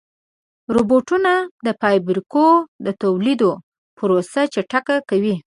روبوټونه د فابریکو د تولید پروسه چټکه کوي.